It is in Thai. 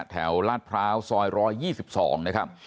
แถวราชพร้าวซอยรอยยี่สิบสองนะครับ